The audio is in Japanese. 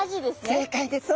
正解です。